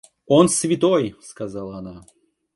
Он святой, — сказала она.